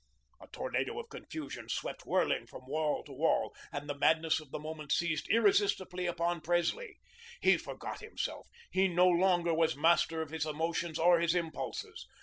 A tornado of confusion swept whirling from wall to wall and the madness of the moment seized irresistibly upon Presley. He forgot himself; he no longer was master of his emotions or his impulses.